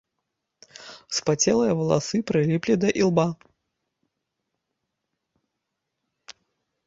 Спацелыя валасы прыліплі да ілба.